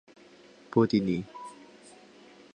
波蒂尼。